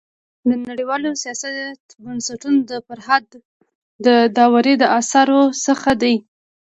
د نړيوال سیاست بنسټونه د فرهاد داوري د اثارو څخه دی.